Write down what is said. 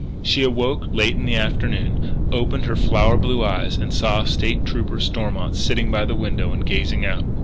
She awoke late in the afternoon, opened her flower blue eyes, and saw State Trooper Stormont sitting by the window, and gazing out.